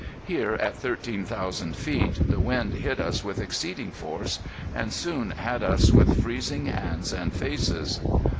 Here at thirteen thousand feet, the wind hit us with exceeding force, and soon had us with freezing hands and faces.